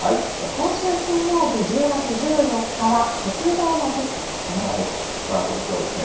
今週金曜日、１０月１４日は鉄道の日なんですね。